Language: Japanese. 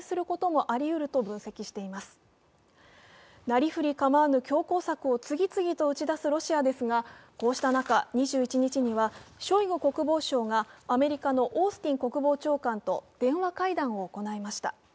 なりふり構わぬ強硬策を次々と打ち出すロシアですがこうした中、２１日にはショイグ国防相がアメリカのオースティン国防長官と電話会談を行いました。